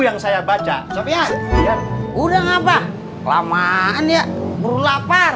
yang saya baca ya brought up ya udah ngapain kelamaan ya keru lapar